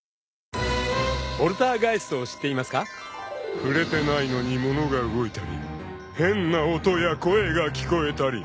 ［触れてないのに物が動いたり変な音や声が聞こえたり］